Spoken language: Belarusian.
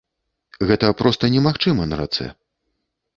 Гэта проста немагчыма на рацэ.